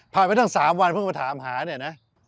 ไปตั้ง๓วันเพิ่งมาถามหาเนี่ยนะ